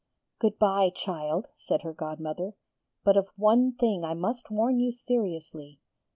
'Good bye, child! 'said her godmother. 'But of one thing I must warn you seriously.